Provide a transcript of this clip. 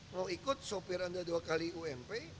mau ikut sopir anda dua kali ump